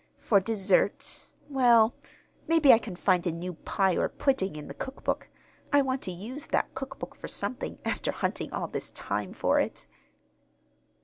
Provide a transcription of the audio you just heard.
For dessert well, maybe I can find a new pie or pudding in the cookbook. I want to use that cookbook for something, after hunting all this time for it!"